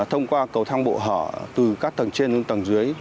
thông qua cầu thang bộ hở từ các tầng trên tầng dưới